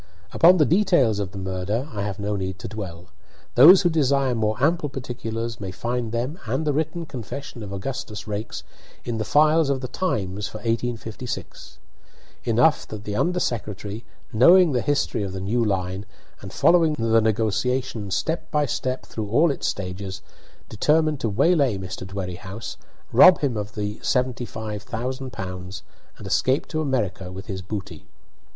Upon the details of the murder I have no need to dwell. Those who desire more ample particulars may find them, and the written confession of Augustus Raikes, in the files of the "Times" for 1856. Enough that the under secretary, knowing the history of the new line, and following the negotiation step by step through all its stages, determined to waylay Mr. Dwerrihouse, rob him of the seventy five thousand pounds, and escape to America with his booty.